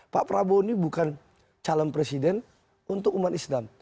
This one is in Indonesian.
pak prabowo ini bukan calon presiden untuk umat islam